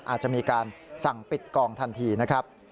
อาจจะมีการสั่งปิดกองทันทีนะครับ